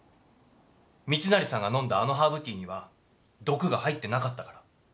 密成さんが飲んだあのハーブティーには毒が入ってなかったから。